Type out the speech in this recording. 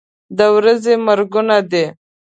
د ورځې مرګونه دي.